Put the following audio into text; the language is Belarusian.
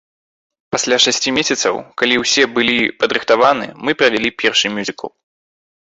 Пасля шасці месяцаў, калі ўсе былі падрыхтаваныя, мы правялі першы мюзікл.